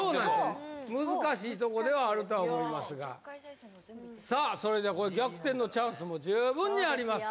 難しいとこではあるとは思いますがさあ逆転のチャンスも十分にあります